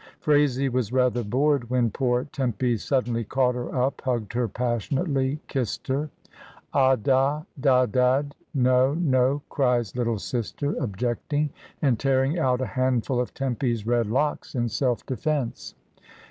Phraisie was rather bored when poor Tempy jsuddenly caught her up, hugged her passionately, kissed her. "A da da dad; no, no," cries little sister, object ing and tearing out a handful of Tempy's red locks in self defence.